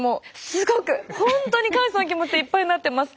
すごく本当に感謝の気持ちでいっぱいになってます。